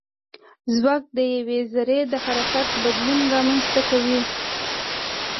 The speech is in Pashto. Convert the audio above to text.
ځواک د یوې ذرې د حرکت بدلون رامنځته کوي.